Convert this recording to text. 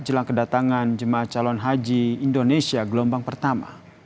jelang kedatangan jemaah calon haji indonesia gelombang pertama